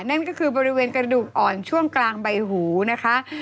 นั่นก็คือบริเวณกระดูกอ่อนช่วงกลางใบหูนะคะ